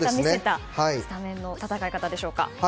スタメンの戦い方でしょうか。